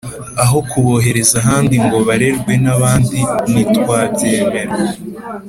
aho kubohereza ahandi ngo barerwe n’ abandi ntitwabyemera